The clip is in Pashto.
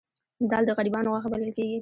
دال د غریبانو غوښه بلل کیږي